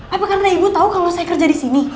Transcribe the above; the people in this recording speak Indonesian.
apa karena ibu tahu kalau saya kerja di sini